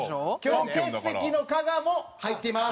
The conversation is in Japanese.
今日欠席の加賀も入ってます。